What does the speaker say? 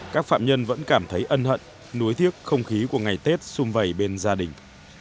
các phạm nhân vẫn cảm thấy ân hận núi tiếc không khí của ngày tết xung vầy bên gia đình